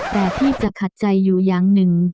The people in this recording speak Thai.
แต่ที่จะขัดใจอยู่อย่างหนึ่ง